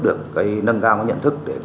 được cái nâng cao của nhận thức để